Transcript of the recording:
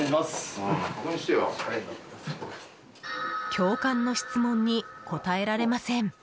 教官の質問に答えられません。